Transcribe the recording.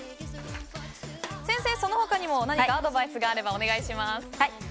先生、その他にもアドバイスがあればお願いします。